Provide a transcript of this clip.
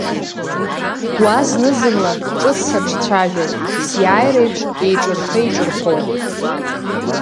Уа зны-зынла ҿыц саҿцәажәоит, сиааиреиԥш еиҿырԥа-еиҿырԥоуп.